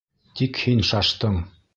Тик һин шаштың!